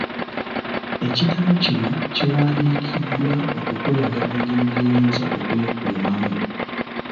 Ekitabo kino kiwandiikiddwa okukulaga engeri gy'oyinza okwekuumamu.